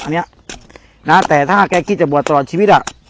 อันนี้นะแต่ถ้าแกคิดจะบวชตลอดชีวิตอ่ะ